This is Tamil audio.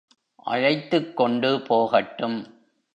அழைத்துக் கொண்டு போகட்டும்.